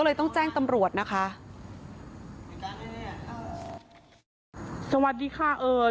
ก็เลยต้องแจ้งตำรวจนะคะ